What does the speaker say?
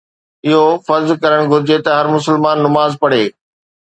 اهو فرض ڪرڻ گهرجي ته هر مسلمان نماز پڙهي.